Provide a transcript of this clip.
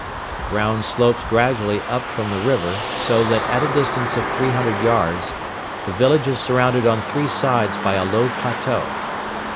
The ground slopes gradually up from the river, so that at a distance of 300 yards the village is surrounded on three sides by a low plateau.